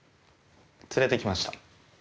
連れて来ました。